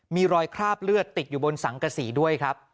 มีรอยคราบเลือดติดอยู่บนสังกษีด้วยครับ